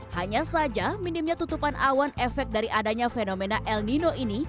hanya saja minimnya tutupan awan efek dari adanya fenomena el nino ini